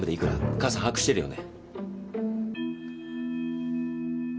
母さん把握してるよね？